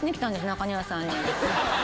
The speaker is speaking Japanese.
中庭さんに。